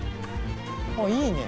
あっいいね。